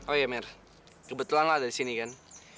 oh iya mer kebetulan lo ada di sini kan